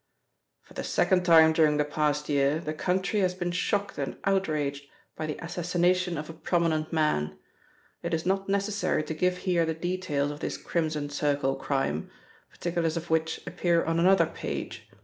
"For the second time during the past year the country has been shocked and outraged by the assassination of a prominent man. It is not necessary to give here the details of this Crimson Circle crime, particulars of which appear on another page.